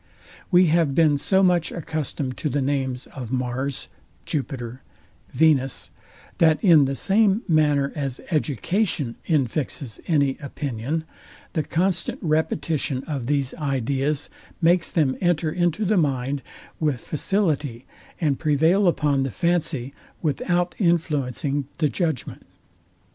We have been so much accustomed to the names of MARS, JUPITER, VENUS, that in the same manner as education infixes any opinion, the constant repetition of these ideas makes them enter into the mind with facility, and prevail upon the fancy, without influencing the judgment.